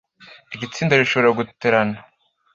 Iri tsinda rishobora guterana